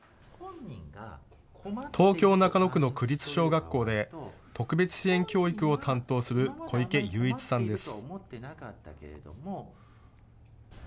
東京・中野区の区立小学校で特別支援教育を担当する小池雄逸さんです。